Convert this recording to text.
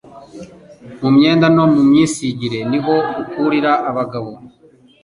mu myenda no mu myisigire niho ukurira abagabo